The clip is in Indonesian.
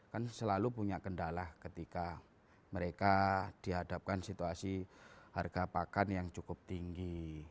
kan selalu punya kendala ketika mereka dihadapkan situasi harga pakan yang cukup tinggi